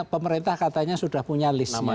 pemerintah katanya sudah punya list